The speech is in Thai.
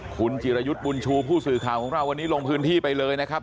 คุณจิรยุทธ์บุญชูผู้สื่อข่าวของเราวันนี้ลงพื้นที่ไปเลยนะครับ